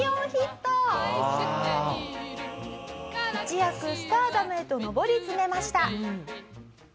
一躍スターダムへと上り詰めました。